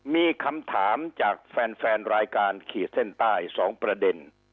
มีคำถามจากแฟนรายการขีดเส้นใต้๒ประเด็น